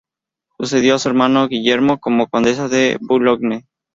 Sucedió a su hermano Guillermo como condesa de Boulogne.